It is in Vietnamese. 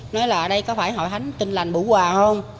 nói là ở đây có phải hội hánh tinh lành bủ quà không